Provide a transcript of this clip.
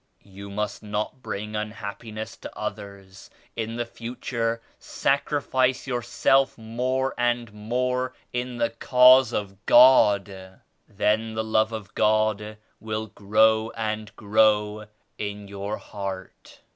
You must not bring unhappiness to others. In the future sacrifice yourself more and more in the Cause of God. Then the Love of God will grow and grow in your heart."